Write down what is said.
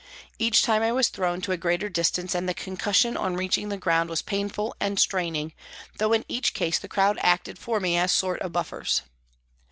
Each time I was thrown to a greater distance and the concussion on reaching the ground was painful and straining, though in each case the crowd acted for me as sort of buffers.